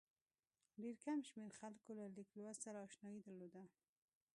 ډېر کم شمېر خلکو له لیک لوست سره اشنايي درلوده.